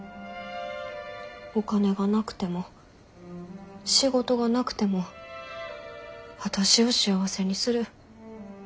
お金がなくても仕事がなくても私を幸せにする。